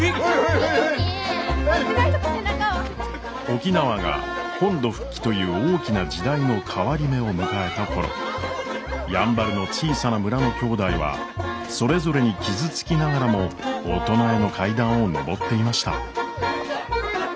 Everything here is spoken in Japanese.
沖縄が本土復帰という大きな時代の変わり目を迎えた頃やんばるの小さな村のきょうだいはそれぞれに傷つきながらも大人への階段を上っていました。